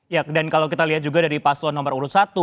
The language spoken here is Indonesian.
ya dan kalau kita lihat juga dari paslon nomor urut satu